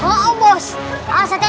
ya allah itu